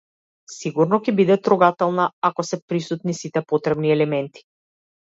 Сигурно ќе биде трогателна ако се присутни сите потребни елементи.